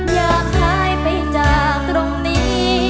อยากหายไปจากตรงนี้